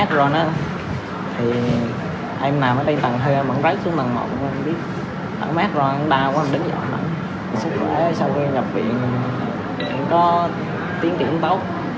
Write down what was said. sức khỏe sau khi nhập viện có tiếng tiếng báo